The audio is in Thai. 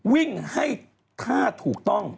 วิ่งให้ท่าถูกต้อง